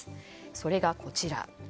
それがこちら。